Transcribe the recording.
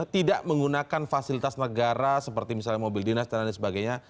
tidak menggunakan fasilitas negara seperti misalnya mobil dinas dan lain sebagainya